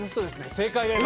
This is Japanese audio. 正解です。